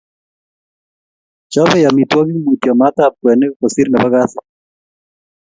Chobei amitwogik mutyo maatab kwenik kosir nebo kasit